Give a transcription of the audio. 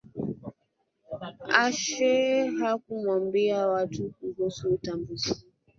ashe hakuwambia watu kuhusu utambuzi huu